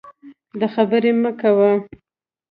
د خبرې مه کوئ.